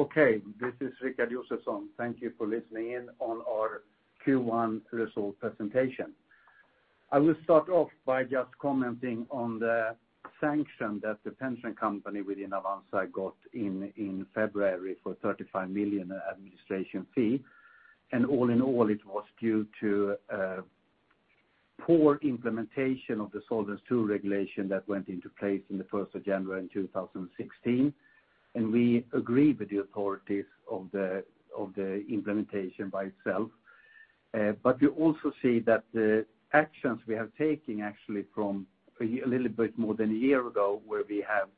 Okay. This is Rikard Josefson. Thank you for listening in on our Q1 result presentation. I will start off by just commenting on the sanction that the pension company within Avanza got in February for 35 million administration fee. All in all, it was due to poor implementation of the Solvency II regulation that went into place on the 1st of January in 2016, and we agree with the authorities of the implementation by itself. We also see that the actions we have taken actually from a little bit more than a year ago, where we have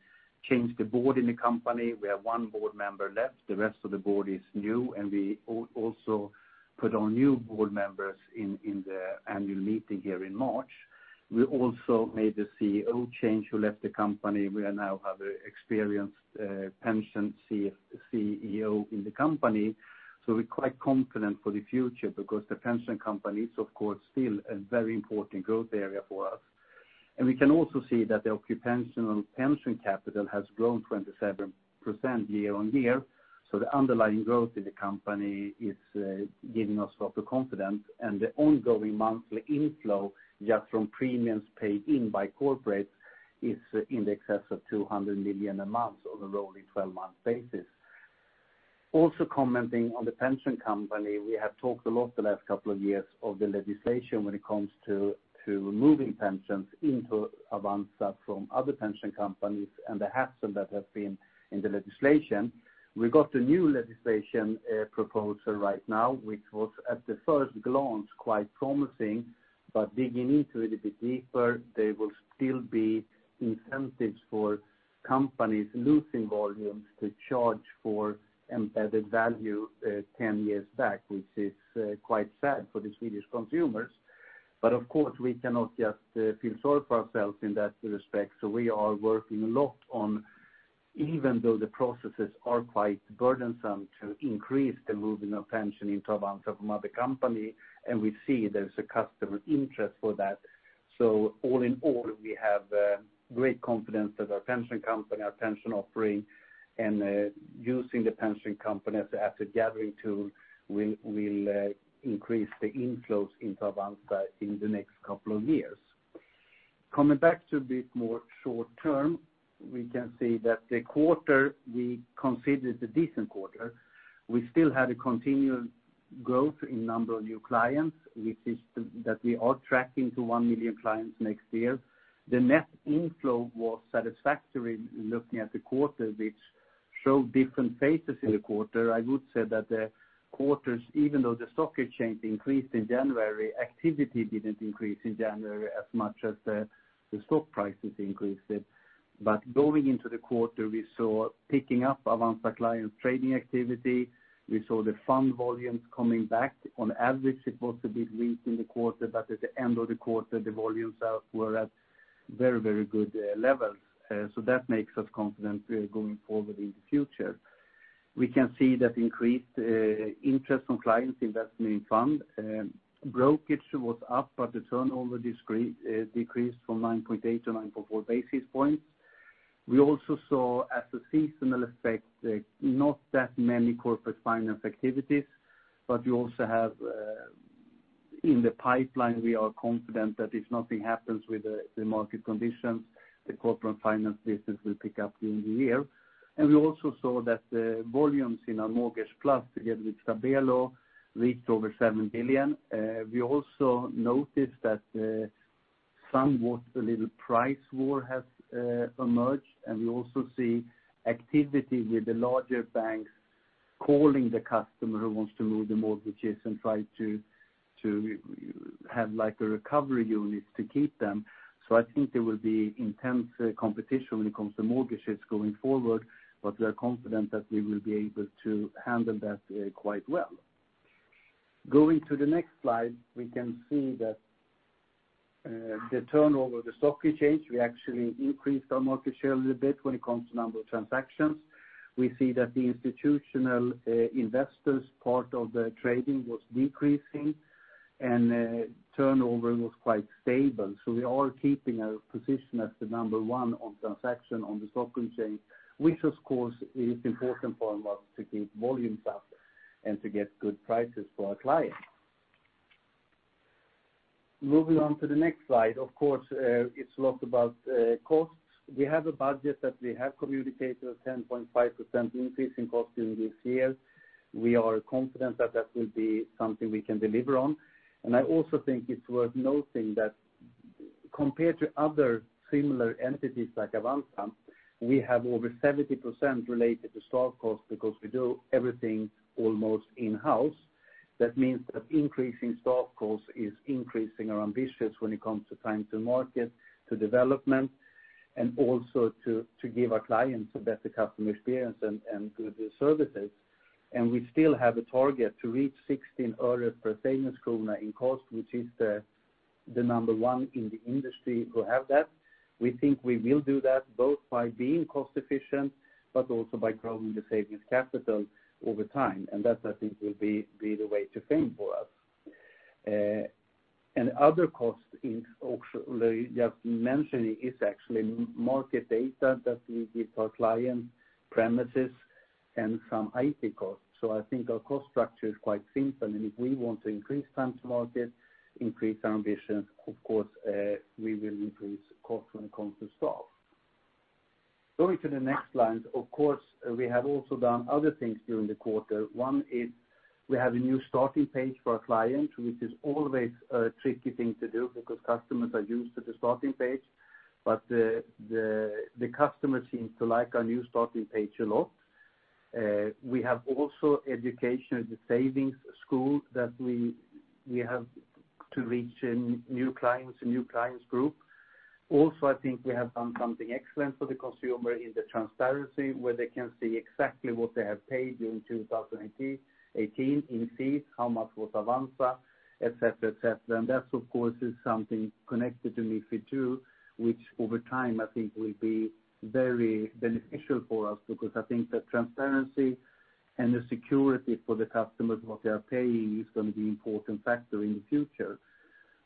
changed the board in the company. We have one board member left, the rest of the board is new, and we also put on new board members in the annual meeting here in March. We also made the CEO change, who left the company. We now have an experienced pension CEO in the company. We're quite confident for the future because the pension company is, of course, still a very important growth area for us. We can also see that the occupational pension capital has grown 27% year-on-year. The underlying growth in the company is giving us a lot of confidence. The ongoing monthly inflow, just from premiums paid in by corporate, is in excess of 200 million a month on a rolling 12-month basis. Also commenting on the pension company, we have talked a lot the last couple of years of the legislation when it comes to moving pensions into Avanza from other pension companies and the hassle that has been in the legislation. We got a new legislation proposal right now, which was at the first glance quite promising, but digging into it a bit deeper, there will still be incentives for companies losing volumes to charge for embedded value 10 years back, which is quite sad for the Swedish consumers. Of course, we cannot just feel sorry for ourselves in that respect. We are working a lot on, even though the processes are quite burdensome to increase the movement of pension into Avanza from other company, and we see there's a customer interest for that. All in all, we have great confidence that our pension company, our pension offering, and using the pension company as a gathering tool will increase the inflows into Avanza in the next couple of years. Coming back to a bit more short term, we can see that the quarter, we considered a decent quarter. We still had a continual growth in number of new clients. We see that we are tracking to one million clients next year. The net inflow was satisfactory looking at the quarter, which showed different phases in the quarter. I would say that the quarters, even though the stock exchange increased in January, activity didn't increase in January as much as the stock prices increased. Going into the quarter, we saw picking up Avanza clients' trading activity. We saw the fund volumes coming back. On average, it was a bit weak in the quarter, but at the end of the quarter, the volumes were at very good levels. That makes us confident going forward in the future. We can see that increased interest from clients investing in fund. Brokerage was up, but the turnover decreased from 9.8 to 9.4 basis points. We also saw as a seasonal effect, not that many corporate finance activities, but you also have in the pipeline, we are confident that if nothing happens with the market conditions, the corporate finance business will pick up during the year. We also saw that the volumes in our Bolån+ together with Stabelo reached over 7 billion. We also noticed that somewhat a little price war has emerged. We also see activity with the larger banks calling the customer who wants to move the mortgages and try to have a recovery unit to keep them. I think there will be intense competition when it comes to mortgages going forward, but we are confident that we will be able to handle that quite well. Going to the next slide, we can see that the turnover of the stock exchange, we actually increased our market share a little bit when it comes to number of transactions. We see that the institutional investors' part of the trading was decreasing and turnover was quite stable. We are keeping our position as the number one on transaction on the stock exchange, which of course is important for us to keep volumes up and to get good prices for our clients. Moving on to the next slide, of course, it's a lot about costs. We have a budget that we have communicated a 10.5% increase in cost during this year. We are confident that that will be something we can deliver on. I also think it's worth noting that compared to other similar entities like Avanza, we have over 70% related to staff cost because we do everything almost in-house. That means that increasing staff cost is increasing our ambitions when it comes to time to market, to development, and also to give our clients a better customer experience and good services. We still have a target to reach 16 öre per savings krona in cost, which is the number one in the industry who have that. We think we will do that both by being cost efficient, but also by growing the savings capital over time. That, I think, will be the way to think for us. Other costs also just mentioning is actually market data that we give our clients premises and some IT costs. I think our cost structure is quite simple. If we want to increase time to market, increase our ambitions, of course, we will increase costs when it comes to staff. Going to the next slide, of course, we have also done other things during the quarter. One is we have a new starting page for our clients, which is always a tricky thing to do because customers are used to the starting page. The customer seems to like our new starting page a lot. We have also education at the savings school that we have to reach new clients, group. Also, I think we have done something excellent for the consumer in the transparency where they can see exactly what they have paid during 2018 in fees, how much was Avanza, et cetera. That of course, is something connected to MiFID II which over time I think will be very beneficial for us because I think the transparency and the security for the customers, what they are paying is going to be important factor in the future.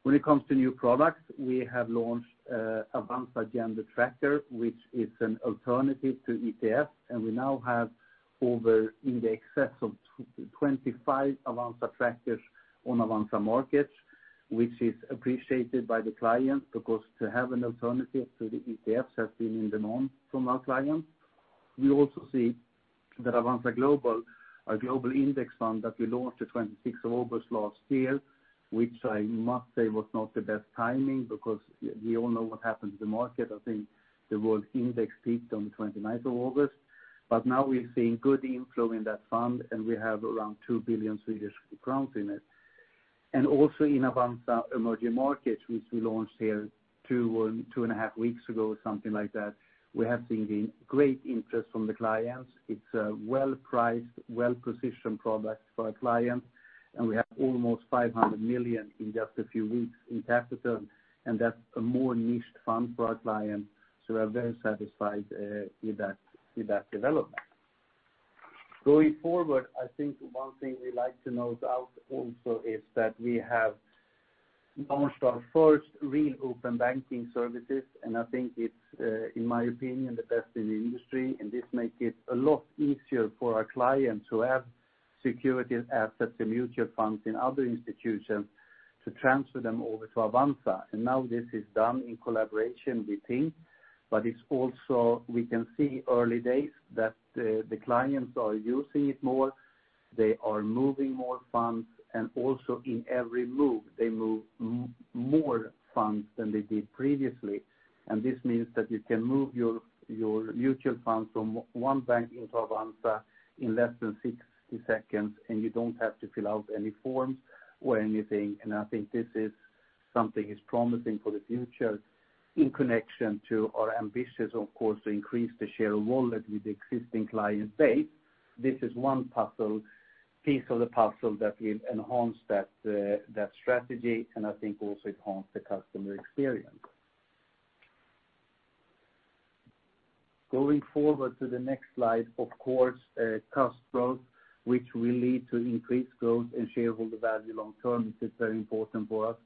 When it comes to new products, we have launched AVA Gender Equality Tracker, which is an alternative to ETF and we now have over in the excess of 25 Avanza trackers on Avanza Markets, which is appreciated by the clients because to have an alternative to the ETFs has been in demand from our clients. We also see that Avanza Global, our global index fund that we launched the 26th of August last year, which I must say was not the best timing because we all know what happened to the market. I think the world index peaked on the 29th of August. Now we're seeing good inflow in that fund and we have around 2 billion Swedish crowns in it. Also in Avanza Emerging Markets, which we launched here two and a half weeks ago, something like that. We have seen great interest from the clients. It's a well-priced, well-positioned product for our clients, and we have almost 500 million in just a few weeks in capital and that's a more niched fund for our clients. We're very satisfied with that development. Going forward, I think one thing we like to note out also is that we have launched our first real open banking services and I think it's, in my opinion, the best in the industry and this makes it a lot easier for our clients who have securities, assets, and mutual funds in other institutions to transfer them over to Avanza. Now this is done in collaboration with Tink but it's also we can see early days that the clients are using it more. They are moving more funds and also in every move they move more funds than they did previously. This means that you can move your mutual funds from one bank into Avanza in less than 60 seconds and you don't have to fill out any forms or anything. I think this is something is promising for the future in connection to our ambitions, of course, to increase the share of wallet with the existing client base. This is one piece of the puzzle that will enhance that strategy and I think also enhance the customer experience. Going forward to the next slide, of course cost growth, which will lead to increased growth and shareholder value long term is very important for us.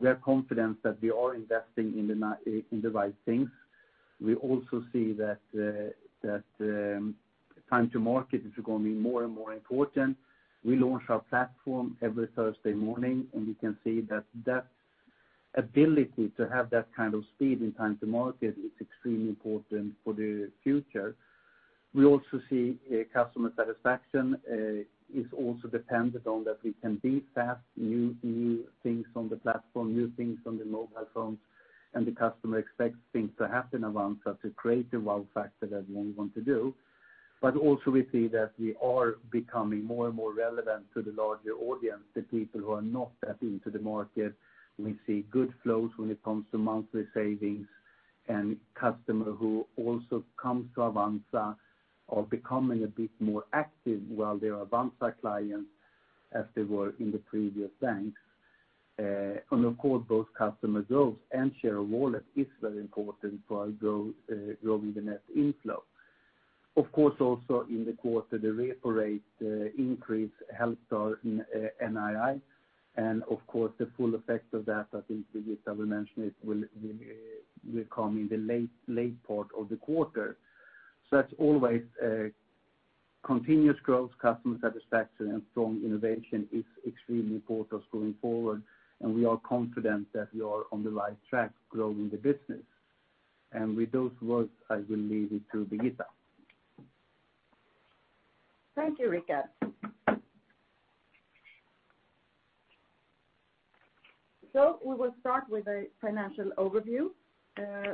We are confident that we are investing in the right things. We also see that time to market is going to be more and more important. We launch our platform every Thursday morning and we can see that ability to have that kind of speed and time to market is extremely important for the future. We also see customer satisfaction is also dependent on that we can be fast, new things on the platform, new things on the mobile phones and the customer expects things to happen in Avanza to create a wow factor that we want to do. We also see that we are becoming more and more relevant to the larger audience, the people who are not that into the market. We see good flows when it comes to monthly savings and customers who also come to Avanza are becoming a bit more active while they're Avanza clients as they were in the previous banks. Of course both customer growth and share of wallet is very important for our growing the net inflow. Of course, also in the quarter, the repo rate increase helped our NII. Of course the full effect of that, I think Birgitta will mention it will come in the late part of the quarter. That's always a continuous growth, customer satisfaction and strong innovation is extremely important for us going forward and we are confident that we are on the right track growing the business. With those words, I will leave it to Birgitta. Thank you, Rikard. We will start with a financial overview.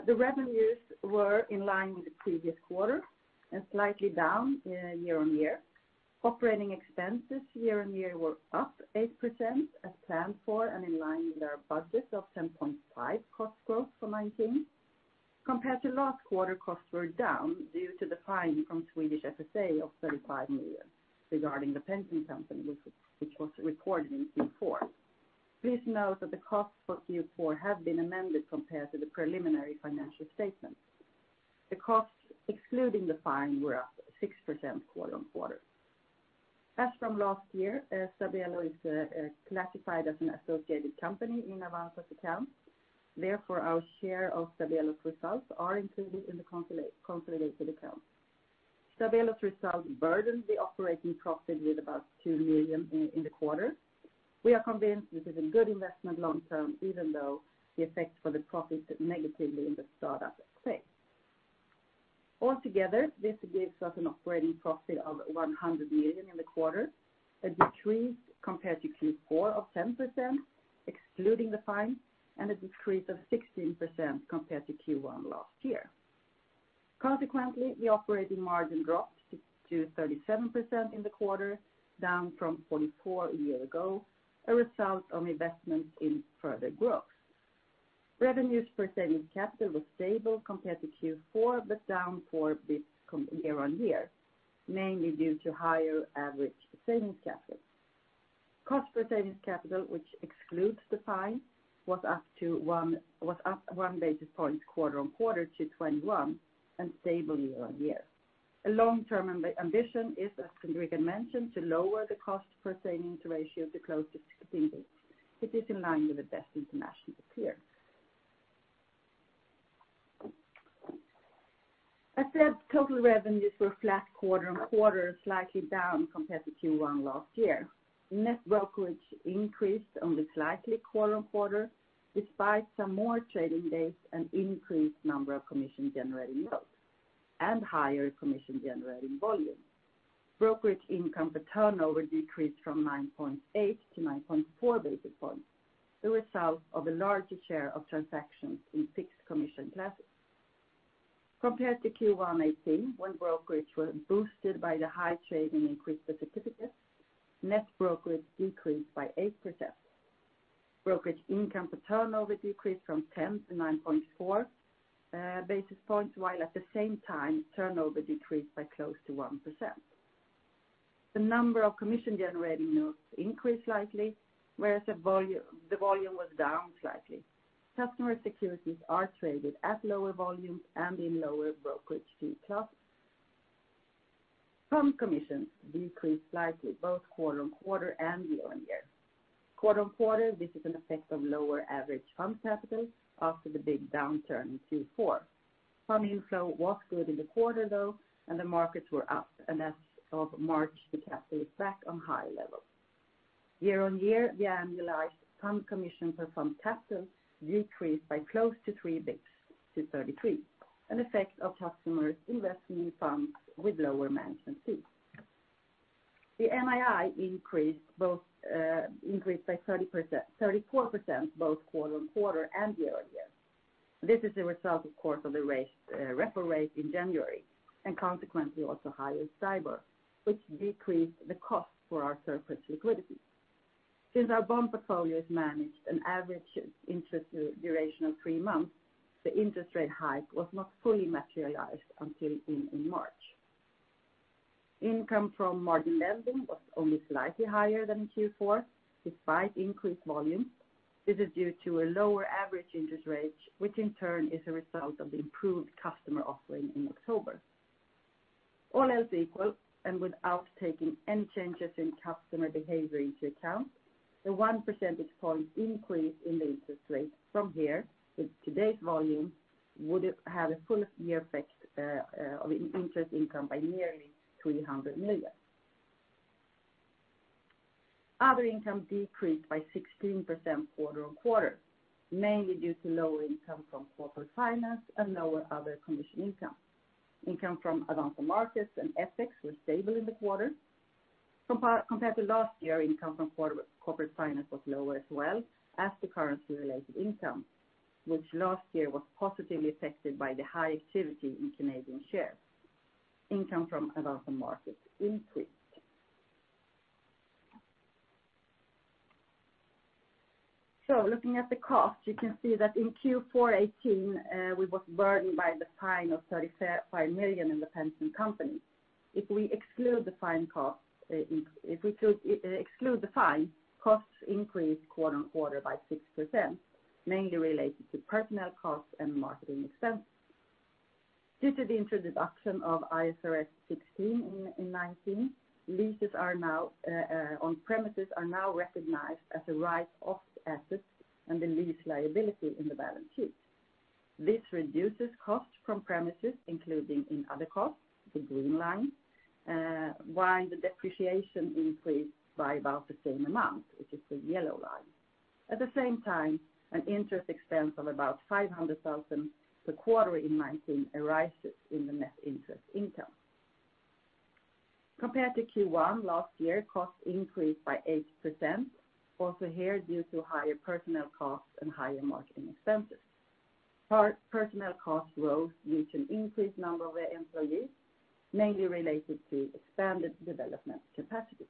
The revenues were in line with the previous quarter and slightly down year-on-year. Operating expenses year-on-year were up 8% as planned for and in line with our budget of 10.5 cost growth for 2019. Compared to last quarter, costs were down due to the fine from Swedish FSA of 35 million regarding the pension company which was recorded in Q4. Please note that the costs for Q4 have been amended compared to the preliminary financial statements. The costs excluding the fine were up 6% quarter-on-quarter. As from last year, Stabelo is classified as an associated company in Avanza's accounts. Therefore, our share of Stabelo's results are included in the consolidated accounts. Stabelo's results burdened the operating profit with about 2 million in the quarter. We are convinced this is a good investment long term, even though the effect for the profit negatively in the startup phase. Altogether, this gives us an operating profit of 100 million in the quarter, a decrease compared to Q4 of 10%, excluding the fine, and a decrease of 16% compared to Q1 last year. Consequently, the operating margin dropped to 37% in the quarter, down from 44% a year ago, a result of investment in further growth. Revenues per savings capital was stable compared to Q4, but down four bps year-on-year, mainly due to higher average savings capital. Cost per savings capital, which excludes the fine, was up one basis point quarter-on-quarter to 21 and stable year-on-year. A long-term ambition is, as Ulrika mentioned, to lower the cost per savings ratio to close to 10 bps. It is in line with the best international peers. As said, total revenues were flat quarter-on-quarter, slightly down compared to Q1 last year. Net brokerage increased only slightly quarter-on-quarter, despite some more trading days and increased number of commission-generating notes and higher commission-generating volume. Brokerage income per turnover decreased from 9.8-9.4 basis points, the result of a larger share of transactions in fixed commission classes. Compared to Q1 2018, when brokerage were boosted by the high trading increase for certificates, net brokerage decreased by 8%. Brokerage income per turnover decreased from 10-9.4 basis points, while at the same time, turnover decreased by close to 1%. The number of commission generating notes increased slightly, whereas the volume was down slightly. Customer securities are traded at lower volumes and in lower brokerage fee classes. Fund commissions decreased slightly, both quarter-on-quarter and year-on-year. Quarter-on-quarter, this is an effect of lower average fund capital after the big downturn in Q4. Fund inflow was good in the quarter, though, and the markets were up, and as of March, the capital is back on high levels. Year-on-year, the annualized fund commission per fund capital decreased by close to 3 basis points to 33 basis points, an effect of customers investing in funds with lower management fees. The NII increased by 34% both quarter-on-quarter and year-on-year. This is a result, of course, of the repo rate in January and consequently also higher STIBOR, which decreased the cost for our surplus liquidity. Since our bond portfolio is managed an average interest duration of three months, the interest rate hike was not fully materialized until in March. Income from margin lending was only slightly higher than in Q4, despite increased volumes. This is due to a lower average interest rate, which in turn is a result of the improved customer offering in October. All else equal, and without taking any changes in customer behavior into account, the one percentage point increase in the interest rate from here with today's volume would have a full year effect of interest income by nearly 300 million. Other income decreased by 16% quarter-on-quarter, mainly due to lower income from corporate finance and lower other commission income. Income from Avanza Markets and FX were stable in the quarter. Compared to last year, income from corporate finance was lower as well as the currency-related income, which last year was positively affected by the high activity in Canadian shares. Income from Avanza Markets increased. Looking at the cost, you can see that in Q4 2018 we was burdened by the fine of 35 million in the pension company. If we exclude the fine, costs increased quarter-on-quarter by 6%, mainly related to personnel costs and marketing expenses. Due to the introduction of IFRS 16 in 2019, leases on premises are now recognized as a right of asset and a lease liability in the balance sheet. This reduces costs from premises, including in other costs, the green line, while the depreciation increased by about the same amount, which is the yellow line. At the same time, an interest expense of about 500,000 per quarter in 2019 arises in the net interest income. Compared to Q1 last year, costs increased by 8%, also here due to higher personnel costs and higher marketing expenses. Personnel costs rose due to increased number of employees, mainly related to expanded development capacity.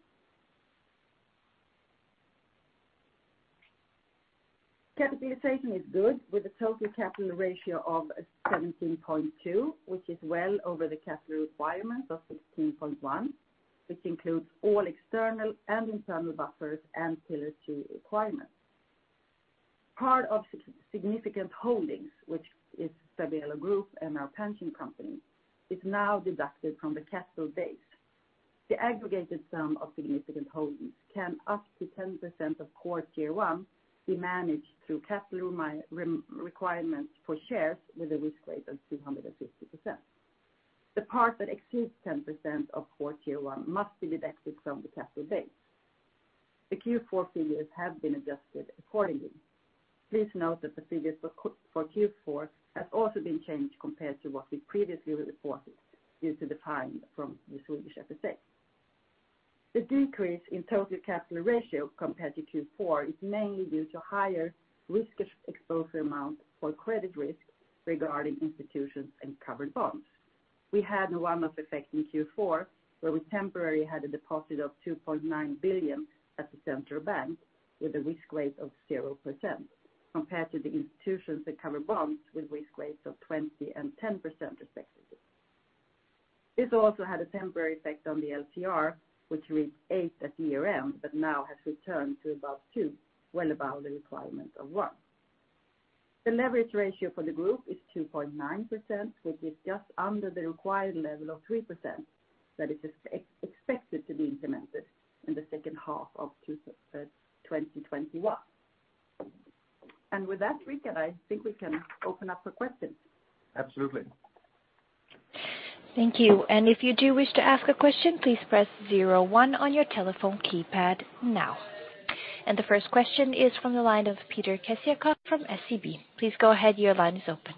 Capitalization is good with a total capital ratio of 17.2%, which is well over the capital requirement of 16.1%, which includes all external and internal buffers and Pillar 2 requirements. Part of significant holdings, which is Stabelo Group and our pension company, is now deducted from the capital base. The aggregated sum of significant holdings can up to 10% of Core Tier 1 be managed through capital requirements for shares with a risk weight of 250%. The part that exceeds 10% of Core Tier 1 must be deducted from the capital base. The Q4 figures have been adjusted accordingly. Please note that the figures for Q4 have also been changed compared to what we previously reported due to the fine from the Swedish FSA. The decrease in total capital ratio compared to Q4 is mainly due to higher risk exposure amount for credit risk regarding institutions and covered bonds. We had a one-off effect in Q4, where we temporarily had a deposit of 2.9 billion at the central bank with a risk weight of 0%, compared to the institutions that cover bonds with risk weights of 20% and 10% respectively. This also had a temporary effect on the LCR, which reached eight at year-end, but now has returned to above two, well above the requirement of one. The leverage ratio for the group is 2.9%, which is just under the required level of 3%, that is expected to be implemented in the second half of 2021. With that, Rikard, I think we can open up for questions. Absolutely. Thank you. If you do wish to ask a question, please press zero one on your telephone keypad now. The first question is from the line of Peter Kessiakoff from SEB. Please go ahead. Your line is open.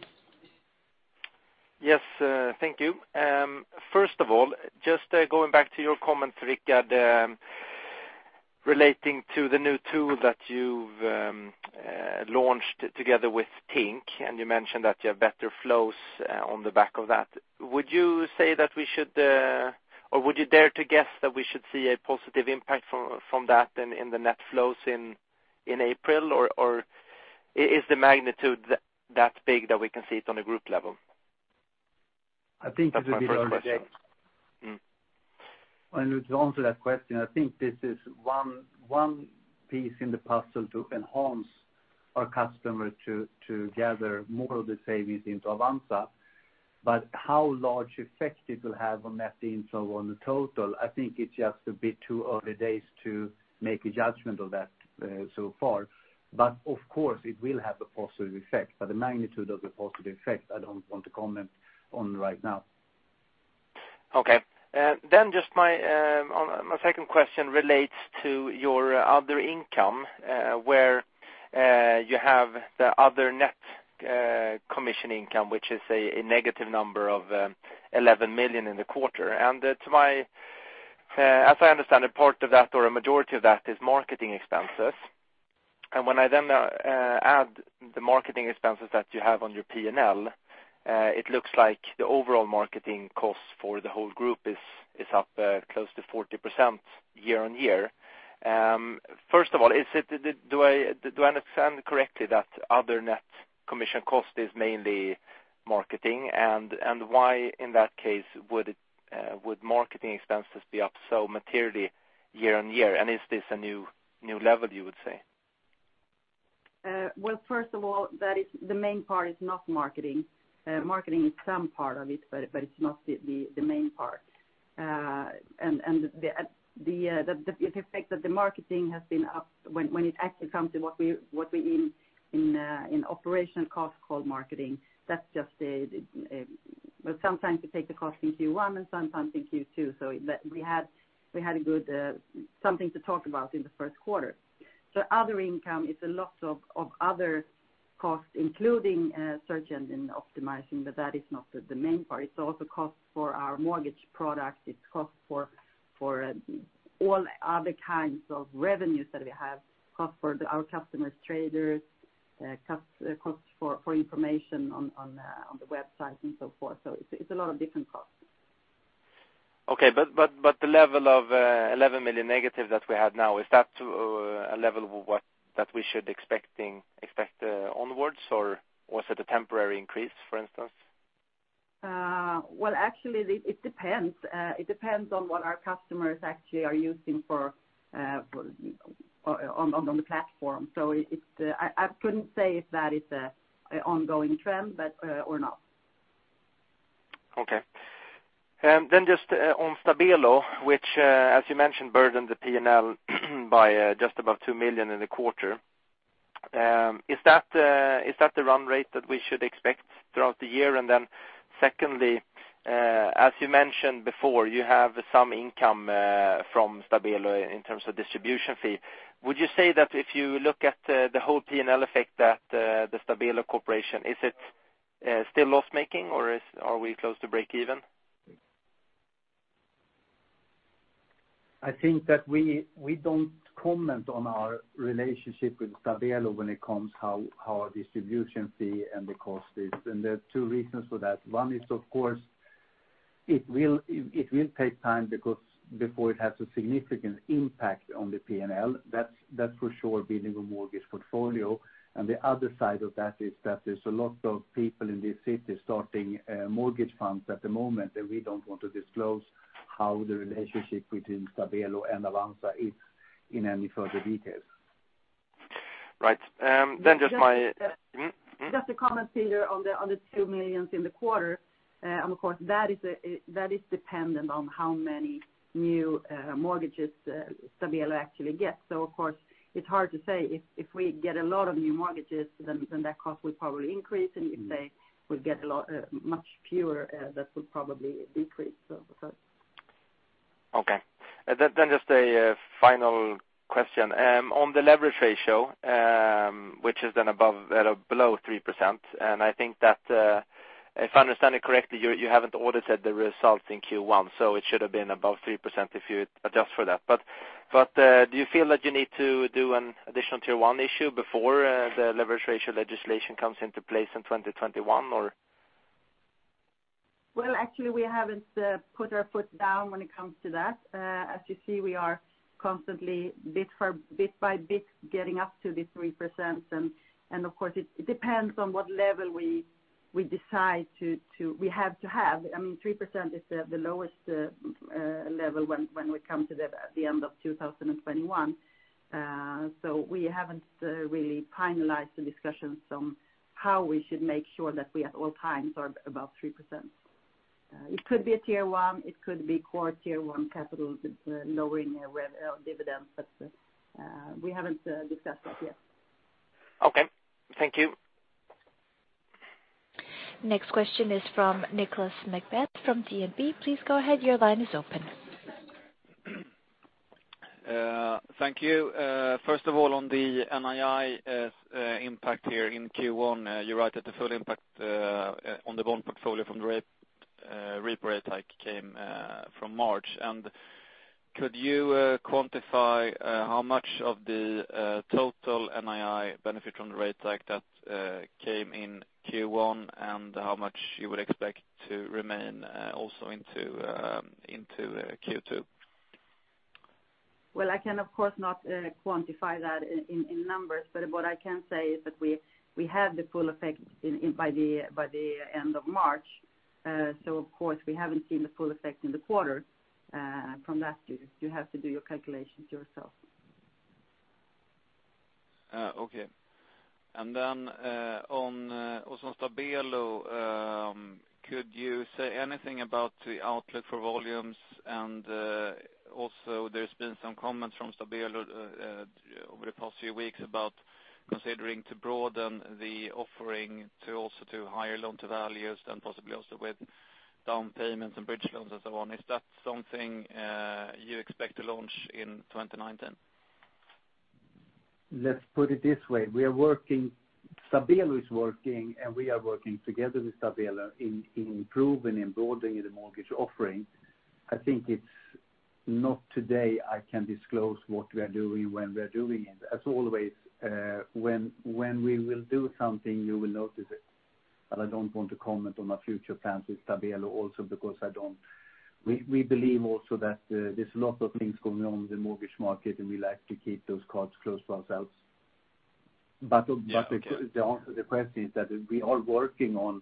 Yes, thank you. First of all, just going back to your comments, Rikard, relating to the new tool that you've launched together with Tink, you mentioned that you have better flows on the back of that. Would you dare to guess that we should see a positive impact from that in the net flows in April, or is the magnitude that big that we can see it on a group level? I think it will be early days. That's my first question. To answer that question, I think this is one piece in the puzzle to enhance our customer to gather more of the savings into Avanza. How large effect it will have on net inflow on the total, I think it's just a bit too early days to make a judgment of that so far. Of course, it will have a positive effect. The magnitude of the positive effect, I don't want to comment on right now. Okay. My second question relates to your other income, where you have the other net commission income, which is a negative number of 11 million in the quarter. As I understand it, part of that or a majority of that is marketing expenses. When I then add the marketing expenses that you have on your P&L, it looks like the overall marketing costs for the whole group is up close to 40% year-on-year. First of all, do I understand correctly that other net commission cost is mainly marketing? Why, in that case, would marketing expenses be up so materially year-on-year? Is this a new level, you would say? Well, first of all, the main part is not marketing. Marketing is some part of it, but it's not the main part. The effect that the marketing has been up when it actually comes to what we mean in operational cost called marketing, that's just Well, sometimes we take the cost in Q1 and sometimes in Q2, so we had something to talk about in the first quarter. Other income is a lot of other costs, including search engine optimizing, but that is not the main part. It's also cost for our mortgage product. It's cost for all other kinds of revenues that we have, cost for our customers, traders, cost for information on the website, and so forth. It's a lot of different costs. Okay, the level of 11 million negative that we have now, is that a level that we should expect onwards, or was it a temporary increase, for instance? Actually, it depends on what our customers actually are using on the platform. I couldn't say if that is an ongoing trend or not. Okay. Just on Stabelo, which as you mentioned, burdened the P&L by just above 2 million in the quarter. Is that the run rate that we should expect throughout the year? Secondly, as you mentioned before, you have some income from Stabelo in terms of distribution fee. Would you say that if you look at the whole P&L effect that the Stabelo Corporation, is it still loss-making or are we close to break even? I think that we don't comment on our relationship with Stabelo when it comes how our distribution fee and the cost is, there are two reasons for that. One is, of course, it will take time before it has a significant impact on the P&L. That's for sure being a mortgage portfolio. The other side of that is that there's a lot of people in this city starting mortgage funds at the moment, we don't want to disclose how the relationship between Stabelo and Avanza is in any further detail. Right. Just a comment, Peter, on the 2 million in the quarter. Of course, that is dependent on how many new mortgages Stabelo actually gets. Of course, it's hard to say. If we get a lot of new mortgages, then that cost will probably increase. If they would get much fewer, that would probably decrease. Okay. Just a final question. On the leverage ratio, which is then below 3%. I think that, if I understand it correctly, you haven't audited the results in Q1, it should've been above 3% if you adjust for that. Do you feel that you need to do an additional Tier 1 issue before the leverage ratio legislation comes into place in 2021 or? Well, actually, we haven't put our foot down when it comes to that. As you see, we are constantly, bit by bit, getting up to the 3%. Of course, it depends on what level we have to have. 3% is the lowest level when we come to the end of 2021. We haven't really finalized the discussions on how we should make sure that we at all times are above 3%. It could be a Tier 1, it could be Core Tier 1 capital lowering our dividends, we haven't discussed that yet. Okay, thank you. Next question is from Nicholas MacBeath from DNB. Please go ahead. Your line is open. Thank you. First of all, on the NII impact here in Q1, you wrote that the full impact on the bond portfolio from the repo rate hike came from March. Could you quantify how much of the total NII benefit from the rate hike that came in Q1, and how much you would expect to remain also into Q2? Well, I can, of course, not quantify that in numbers, but what I can say is that we have the full effect by the end of March. Of course, we haven't seen the full effect in the quarter from that. You have to do your calculations yourself. Also on Stabelo, could you say anything about the outlook for volumes? Also there's been some comments from Stabelo over the past few weeks about considering to broaden the offering to also do higher loan-to-values and possibly also with down payments and bridge loans and so on. Is that something you expect to launch in 2019? Let's put it this way. Stabelo is working, and we are working together with Stabelo in improving and broadening the mortgage offering. I think it's not today I can disclose what we are doing, when we are doing it. As always, when we will do something, you will notice it. I don't want to comment on our future plans with Stabelo also because we believe also that there's a lot of things going on in the mortgage market, and we like to keep those cards close to ourselves. The answer to the question is that we are working on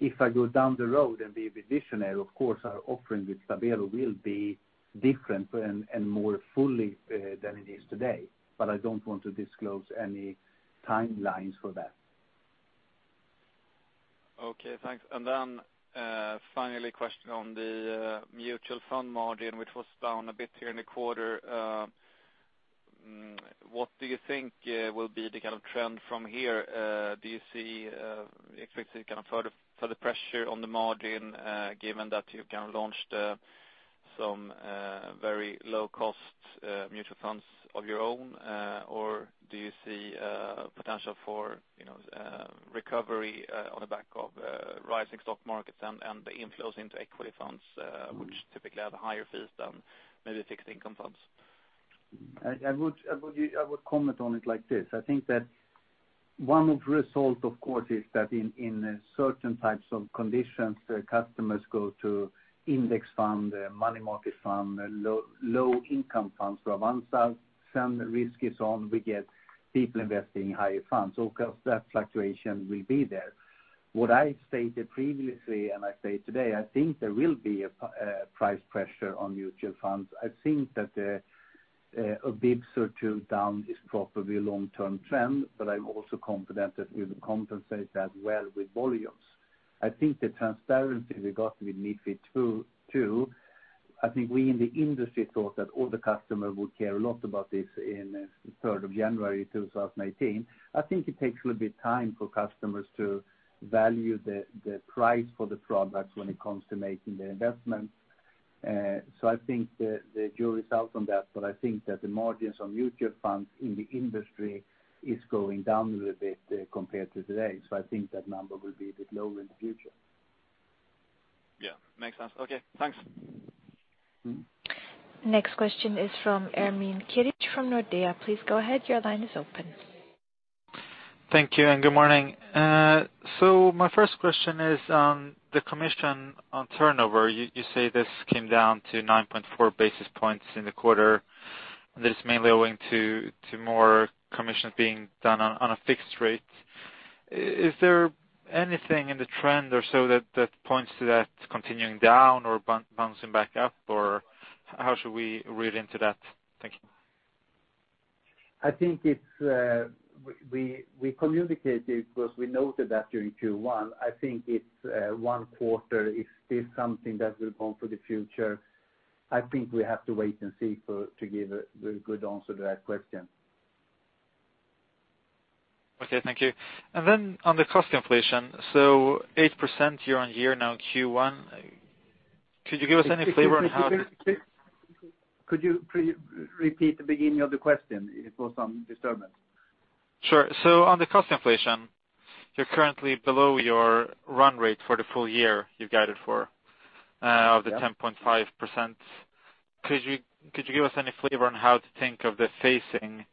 if I go down the road and be a visionary, of course, our offering with Stabelo will be different and more fully than it is today. I don't want to disclose any timelines for that. Okay, thanks. Finally, a question on the mutual fund margin, which was down a bit here in the quarter. What do you think will be the trend from here? Do you expect to see further pressure on the margin, given that you've launched some very low-cost mutual funds of your own? Do you see potential for recovery on the back of rising stock markets and the inflows into equity funds, which typically have higher fees than maybe fixed income funds? I would comment on it like this. I think that one of the results, of course, is that in certain types of conditions, customers go to index fund, money market fund, low-income funds. Once some risk is on, we get people investing in higher funds. Of course, that fluctuation will be there. What I stated previously, and I say today, I think there will be a price pressure on mutual funds. I think that a bps or two down is probably a long-term trend. I'm also confident that we will compensate that well with volumes. I think the transparency we got with MiFID II, I think we in the industry thought that all the customers would care a lot about this in 3rd of January 2018. I think it takes a little bit time for customers to value the price for the product when it comes to making the investment. I think the jury's out on that, but I think that the margins on mutual funds in the industry is going down a little bit compared to today. I think that number will be a bit lower in the future. Yeah, makes sense. Okay, thanks. Next question is from Ermine Keric from Nordea. Please go ahead. Your line is open. Thank you and good morning. My first question is on the commission on turnover. You say this came down to 9.4 basis points in the quarter. That is mainly owing to more commissions being done on a fixed rate. Is there anything in the trend or so that points to that continuing down or bouncing back up? How should we read into that? Thank you. I think we communicated because we noted that during Q1. I think it is one quarter. If this is something that will come for the future, I think we have to wait and see to give a very good answer to that question. Okay, thank you. Then on the cost inflation, 8% year-on-year now Q1. Could you give us any flavor on how- Could you please repeat the beginning of the question? There was some disturbance. Sure. On the cost inflation, you are currently below your run rate for the full year you have guided for- Yeah of the 10.5%. Could you give us any flavor on how to think of the phasing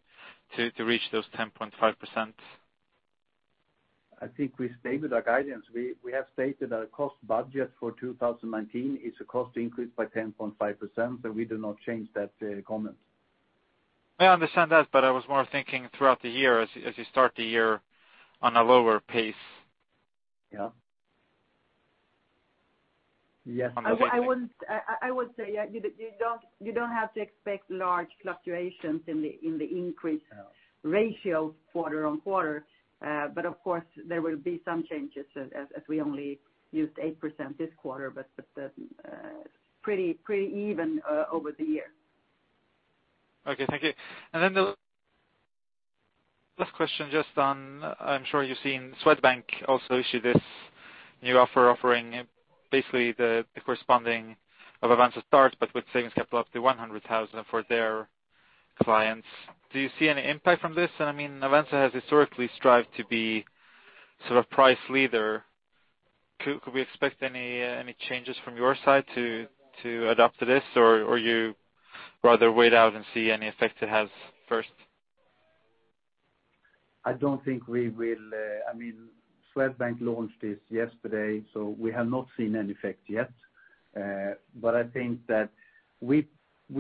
to reach those 10.5%? I think we stated our guidance. We have stated our cost budget for 2019 is a cost increase by 10.5%. We do not change that comment. I understand that. I was more thinking throughout the year as you start the year on a lower pace. Yeah. Yes. I would say you don't have to expect large fluctuations in the increase ratio quarter-on-quarter. Of course, there will be some changes as we only used 8% this quarter. Pretty even over the year. Okay, thank you. The last question just on, I'm sure you've seen Swedbank also issue this new offering, basically the corresponding of Avanza Start but with savings capital up to 100,000 for their clients. Do you see any impact from this? Avanza has historically strived to be sort of price leader. Could we expect any changes from your side to adopt to this? You rather wait out and see any effect it has first? I don't think we will. Swedbank launched this yesterday, we have not seen any effect yet. I think that we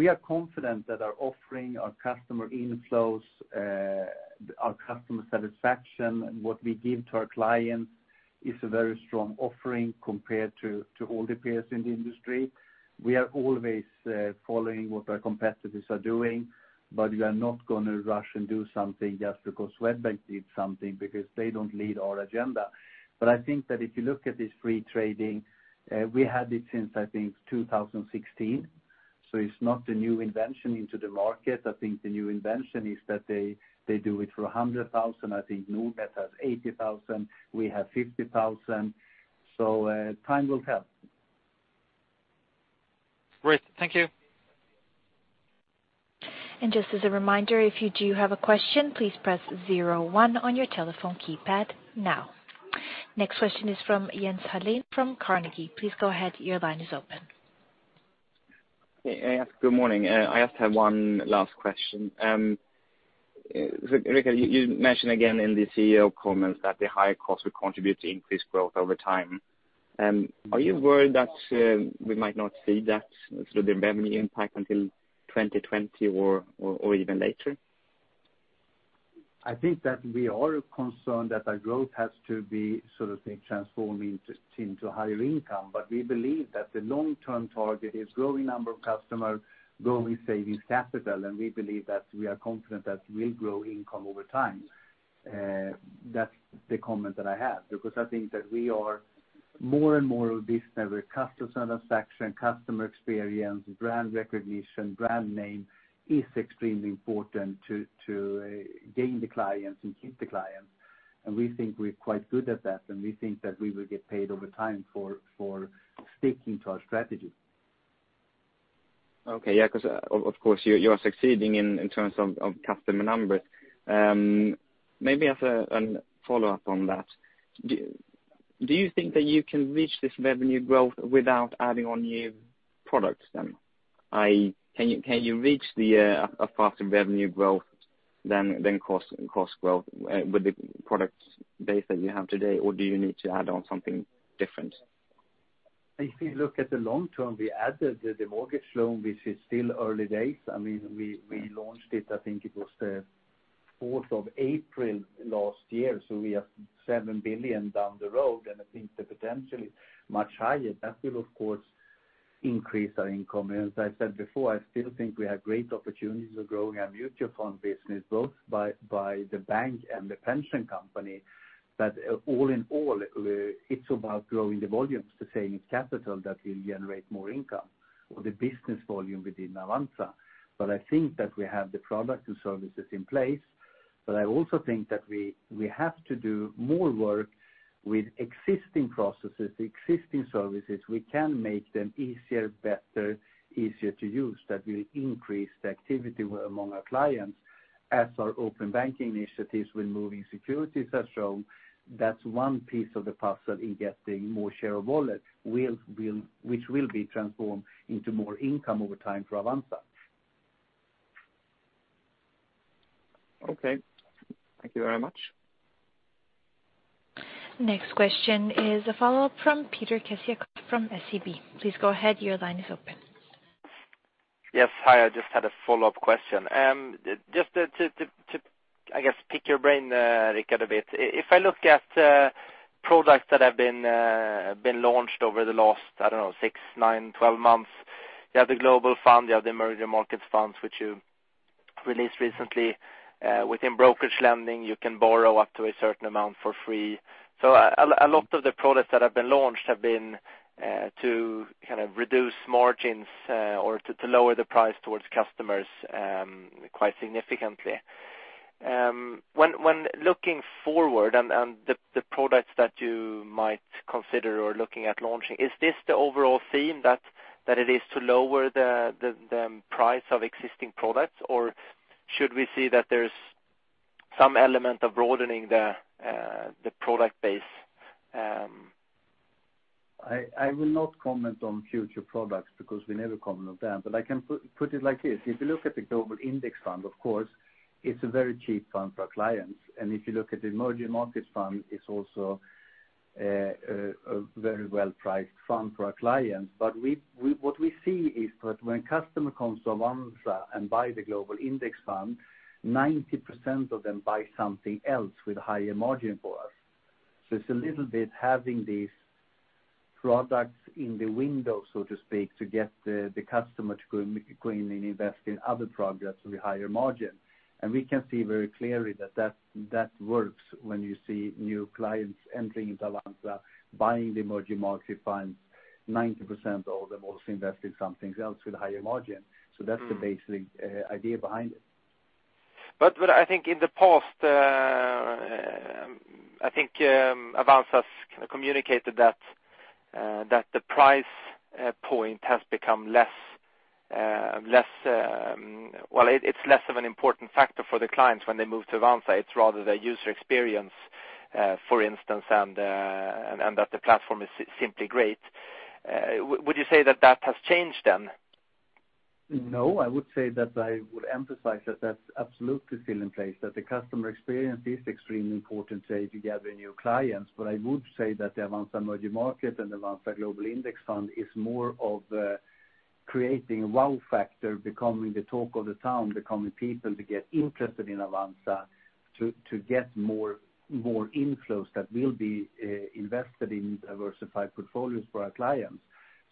are confident that our offering, our customer inflows, our customer satisfaction, what we give to our clients is a very strong offering compared to all the peers in the industry. We are always following what our competitors are doing, we are not going to rush and do something just because Swedbank did something, because they don't lead our agenda. I think that if you look at this free trading, we had it since, I think, 2016. It's not a new invention into the market. I think the new invention is that they do it for 100,000. I think Nordnet has 80,000. We have 50,000. Time will tell. Great. Thank you. Just as a reminder, if you do have a question, please press 01 on your telephone keypad now. Next question is from Jens Hallén from Carnegie. Please go ahead. Your line is open. Good morning. I just have one last question. Rikard, you mentioned again in the CEO comments that the higher cost will contribute to increased growth over time. Are you worried that we might not see that through the revenue impact until 2020 or even later? I think that we are concerned that our growth has to be transformed into higher income, but we believe that the long-term target is growing number of customers, growing savings capital, and we believe that we are confident that we'll grow income over time. That's the comment that I have, because I think that we are more and more of this customer satisfaction, customer experience, brand recognition, brand name is extremely important to gain the clients and keep the clients. We think we're quite good at that, and we think that we will get paid over time for sticking to our strategy. Okay, yeah, because of course you are succeeding in terms of customer numbers. Maybe as a follow-up on that, do you think that you can reach this revenue growth without adding on new products then? Can you reach a faster revenue growth than cost growth with the product base that you have today, or do you need to add on something different? We added the mortgage loan, which is still early days. We launched it, I think it was the 4th of April last year. We are 7 billion down the road, and I think the potential is much higher. That will, of course, increase our income. As I said before, I still think we have great opportunities of growing our mutual fund business, both by the bank and the pension company. All in all, it's about growing the volumes to savings capital that will generate more income or the business volume within Avanza. I think that we have the product and services in place, but I also think that we have to do more work with existing processes, existing services. We can make them easier, better, easier to use. That will increase the activity among our clients as our open banking initiatives with moving securities have shown. That's one piece of the puzzle in getting more share of wallet which will be transformed into more income over time for Avanza. Thank you very much. Next question is a follow-up from Peter Kessiakoff from SEB. Please go ahead. Your line is open. Yes. Hi, I just had a follow-up question. Just to, I guess, pick your brain, Rikard, a bit. If I look at products that have been launched over the last, I don't know, six, nine, 12 months, you have the Global Fund, you have the Emerging Markets funds, which you released recently. Within brokerage lending, you can borrow up to a certain amount for free. A lot of the products that have been launched have been to reduce margins or to lower the price towards customers quite significantly. When looking forward and the products that you might consider or looking at launching, is this the overall theme that it is to lower the price of existing products, or should we see that there's some element of broadening the product base? I will not comment on future products because we never comment on them. I can put it like this. If you look at the Global Index Fund, of course, it's a very cheap fund for our clients. If you look at the Emerging Markets Fund, it's also a very well-priced fund for our clients. What we see is that when customer comes to Avanza and buy the Global Index Fund, 90% of them buy something else with a higher margin for us. It's a little bit having these products in the window, so to speak, to get the customer to go in and invest in other products with higher margin. We can see very clearly that works when you see new clients entering into Avanza, buying the Emerging Markets funds, 90% of them also invest in something else with a higher margin. That's the basic idea behind it. I think in the past, Avanza has communicated that the price point has become less. It's less of an important factor for the clients when they move to Avanza. It's rather the user experience, for instance, and that the platform is simply great. Would you say that has changed then? I would say that I would emphasize that that's absolutely still in place, that the customer experience is extremely important today to gather new clients. I would say that the Avanza Emerging Markets and Avanza Global Index Fund is more of creating a wow factor, becoming the talk of the town, becoming people to get interested in Avanza, to get more inflows that will be invested in diversified portfolios for our clients.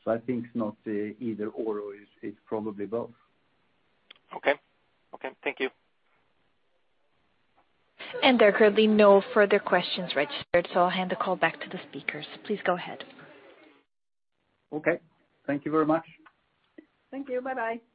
I think it's not either/or, it's probably both. Okay. Thank you. There are currently no further questions registered, I'll hand the call back to the speakers. Please go ahead. Okay. Thank you very much. Thank you. Bye bye. Bye.